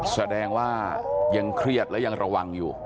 แสดงว่ายังเครียดและยังระวังอยู่